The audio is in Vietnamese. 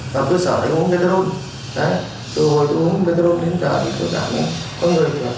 và cuộc sống của tôi đã kiếm thế hơn